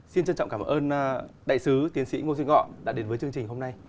xin trân trọng cảm ơn đại sứ tiến sĩ ngô duy ngọc đã đến với chương trình hôm nay